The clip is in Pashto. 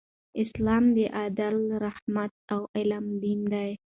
اسلام د عدل، رحمت او علم دین دی.